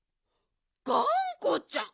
がんこちゃん？